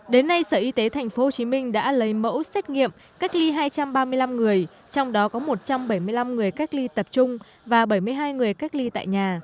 đến nay sở y tế tp hcm đã lấy mẫu xét nghiệm cách ly hai trăm ba mươi năm người trong đó có một trăm bảy mươi năm người cách ly tập trung và bảy mươi hai người cách ly tại nhà